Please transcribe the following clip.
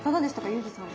ユージさん。